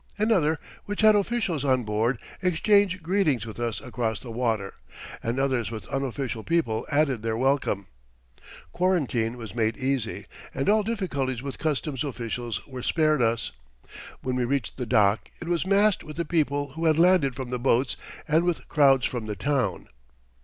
Another, which had officials on board, exchanged greetings with us across the water, and others with unofficial people added their welcome. Quarantine was made easy, and all difficulties with customs officials were spared us. When we reached the dock it was massed with the people who had landed from the boats and with crowds from the town.